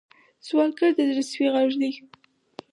سوالګر د زړه سوې غږ دی